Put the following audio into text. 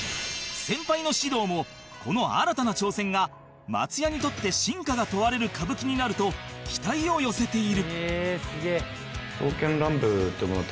先輩の獅童もこの新たな挑戦が松也にとって真価が問われる歌舞伎になると期待を寄せている